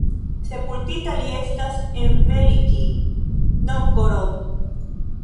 Sepultita li estas en Velikij Novgorod.